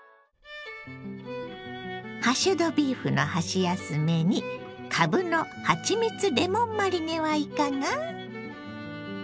ハッシュドビーフの箸休めにかぶのはちみつレモンマリネはいかが？